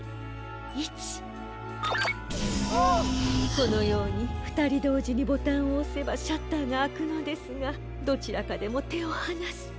このようにふたりどうじにボタンをおせばシャッターがあくのですがどちらかでもてをはなすと。